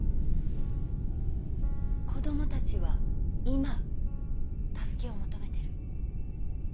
子供たちは今助けを求めてる。